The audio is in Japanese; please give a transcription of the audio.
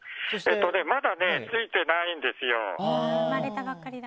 まだついていないんですよ。